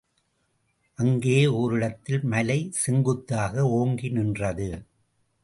அங்கே ஓரிடத்தில் மலை செங்குத்தாக ஓங்கி நின்றது.